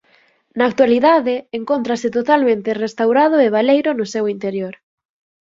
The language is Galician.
Na actualidade encóntrase totalmente restaurado e baleiro no seu interior.